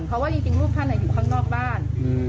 เพราะว่าจริงลูกท่านอยู่ข้างนอกบ้าน